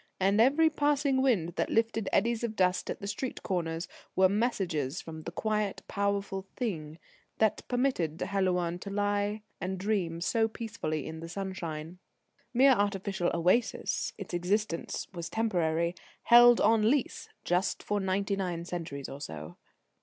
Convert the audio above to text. And every passing wind that lifted eddies of dust at the street corners were messages from the quiet, powerful Thing that permitted Helouan to lie and dream so peacefully in the sunshine. Mere artificial oasis, its existence was temporary, held on lease, just for ninety nine centuries or so.